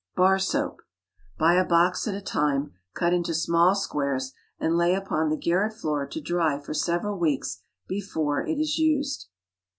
BAR SOAP. Buy a box at a time; cut into small squares and lay upon the garret floor to dry for several weeks before it is used.